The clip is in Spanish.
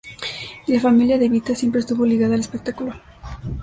La familia de Evita siempre estuvo ligada al espectáculo.